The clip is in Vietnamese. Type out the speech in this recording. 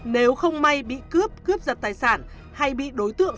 nếu không may bị cướp cướp giật tài sản hay bị đối tượng